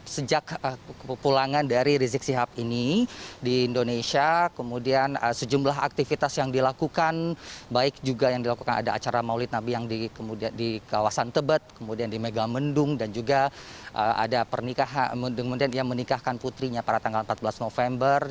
sejak kepulangan dari rizik sihab ini di indonesia kemudian sejumlah aktivitas yang dilakukan baik juga yang dilakukan ada acara maulid nabi yang di kawasan tebet kemudian di megamendung dan juga ada pernikahan kemudian ia menikahkan putrinya pada tanggal empat belas november